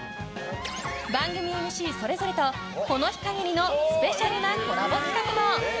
番組ＭＣそれぞれとこの日限りのスペシャルなコラボ企画も。